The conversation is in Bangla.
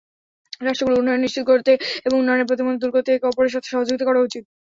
রাষ্ট্রগুলোর উন্নয়ন নিশ্চিত করতে এবং উন্নয়নের প্রতিবন্ধকতা দূর করতে একে অপরের সাথে সহযোগিতা করা উচিত।